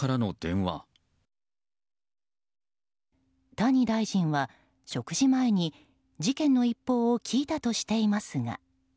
谷大臣は食事前に事件の一報を聞いたとしていますが。